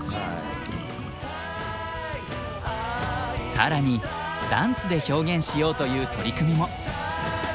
更にダンスで表現しようという取り組みも。